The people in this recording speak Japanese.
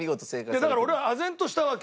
だから俺はあぜんとしたわけ。